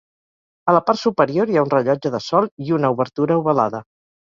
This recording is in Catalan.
A la part superior hi ha un rellotge de sol i una obertura ovalada.